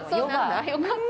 良かった！